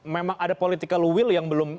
memang ada political will yang belum